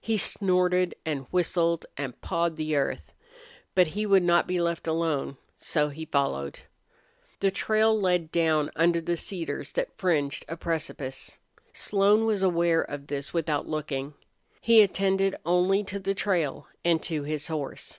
He snorted and whistled and pawed the earth. But he would not be left alone, so he followed. The trail led down under cedars that fringed a precipice. Slone was aware of this without looking. He attended only to the trail and to his horse.